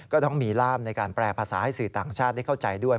ก็ต้องมีร่ามในการแปลภาษาให้สื่อต่างชาติได้เข้าใจด้วย